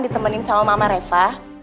ditemenin sama mama reva